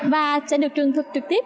và sẽ được trường thực trực tiếp